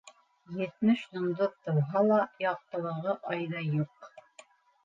Етмеш йондоҙ тыуһа ла, яҡтылығы айҙай юҡ.